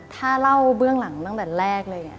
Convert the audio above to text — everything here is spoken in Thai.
ถ้าเล่าเบื้องหลังตั้งแต่แรกเลยเนี่ย